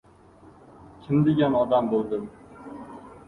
— Kim degan odam bo‘ldim?!